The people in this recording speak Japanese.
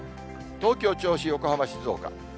東京、銚子、横浜、静岡。